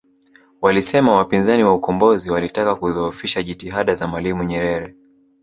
Walisema wapinzani wa ukombozi walitaka kudhoofisha jitihada za Mwalimu Nyerere